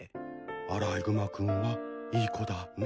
アライグマ君はいい子だね。